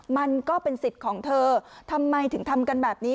มันก็เป็นสิทธิ์ของเธอทำไมถึงทำกันแบบนี้